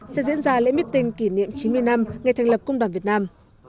sẽ diễn ra lễ miết tình kỷ niệm chín mươi năm ngày thành lập công đoàn việt nam